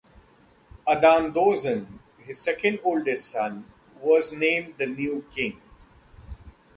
Adandozan, his second oldest son, was named the new king.